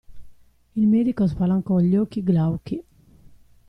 Il medico spalancò gli occhi glauchi.